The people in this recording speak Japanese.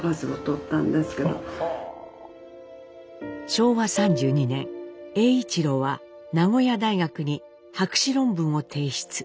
昭和３２年栄一郎は名古屋大学に博士論文を提出。